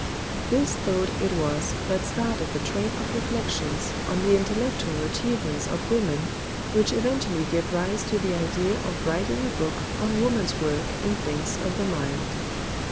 This thought it was that started the train of reflections on the intellectual achievements of women which eventually gave rise to the idea of writing a book on woman's work in things of the mind.